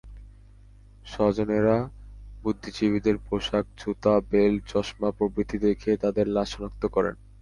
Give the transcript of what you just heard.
স্বজনেরা বুদ্ধিজীবীদের পোশাক, জুতা, বেল্ট, চশমা প্রভৃতি দেখে তাঁদের লাশ শনাক্ত করেন।